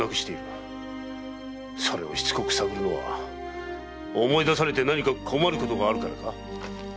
それをしつこく探るのは思い出されて何か困ることがあるからか？